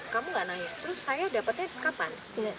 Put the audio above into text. kamu gak nanya terus saya dapatnya kapan